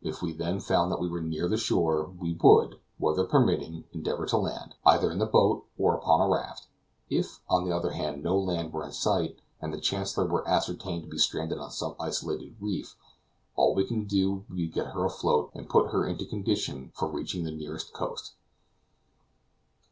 If we then found that we were near the shore, we would, weather permitting, endeavor to land, either in the boat or upon a raft. If, on the other hand, no land were in sight, and the Chancellor were ascertained to be stranded on some isolated reef, all we could do would be to get her afloat, and put her into condition for reaching the nearest coast.